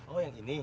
oh yang ini